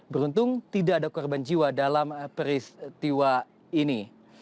beruntung tidak ada korban jiwa dalam peristiwa ini